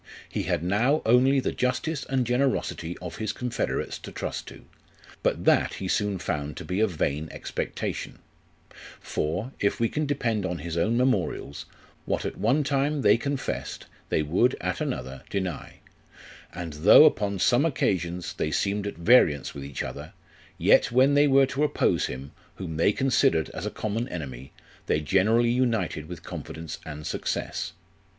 He had now only the justice and generosity of his confederates to trust to ; but that he soon found to be a vain expectation ; for, if we can depend on his own memorials, what at one time they confessed, they would at another deny ; and though upon some occasions they seemed at variance with each other, yet when they were to oppose him, whom they considered as a common enemy, they generally united with confidence and success.